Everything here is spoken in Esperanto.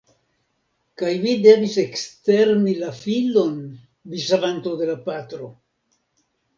Kaj vi devis ekstermi la filon, vi savanto de la patro!